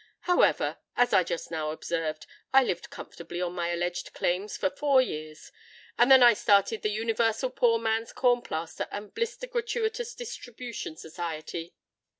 However,—as I just now observed,—I lived comfortably on my alleged claims for four years; and then I started the 'Universal Poor Man's Corn Plaster and Blister Gratuitous Distribution Society.'